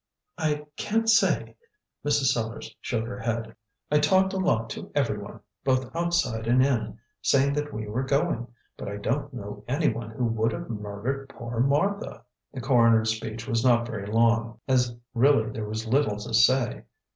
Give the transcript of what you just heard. "I can't say," Mrs. Sellars shook her head. "I talked a lot to everyone, both outside and in, saying that we were going. But I don't know anyone who would have murdered poor Martha?" The coroner's speech was not very long, as really there was little to say.